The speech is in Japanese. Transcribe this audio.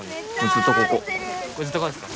ずっとここですか。